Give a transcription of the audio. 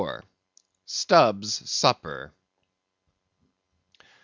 Stubb's Supper.